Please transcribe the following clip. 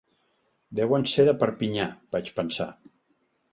Deuen ser de Perpinyà, vaig pensar.